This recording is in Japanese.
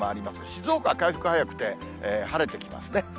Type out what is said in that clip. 静岡は回復早くて晴れてきますね。